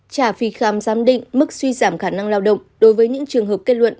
trả phí khám giám định mức suy giảm khả năng lao động đối với những trường hợp kết luận